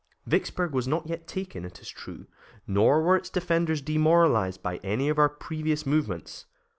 Vicksburg was not yet taken, it is true, nor were its defenders demoralized by any of our previous movements.